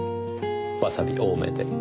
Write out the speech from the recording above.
わさび多めで。